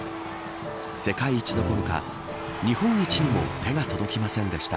世界一どころか日本一にも手が届きませんでした。